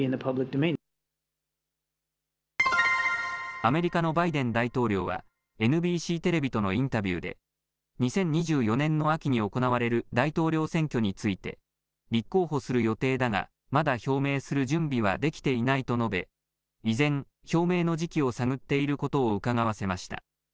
アメリカのバイデン大統領はＮＢＣテレビとのインタビューで２０２４年の秋に行われる大統領選挙について立候補する予定だがまだ表明する準備はできていないと述べ依然、表明の時期を探っていることをうかがわせました。